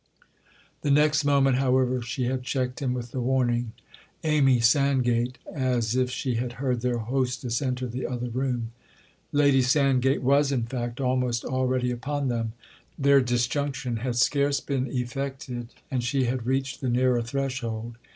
The next moment, however, she had checked him with the warning "Amy Sandgate!"—as if she had heard their hostess enter the other room. Lady Sand gate was in fact almost already upon them—their disjunction had scarce been effected and she had reached the nearer threshold.